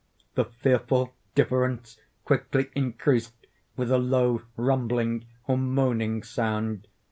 The fearful difference quickly increased with a low rumbling or moaning sound.